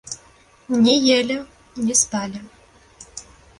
Не елі, не спалі.